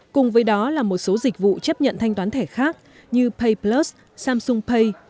cùng với đó là một số dịch vụ chấp nhận thanh toán thẻ khác như payplus samsung pay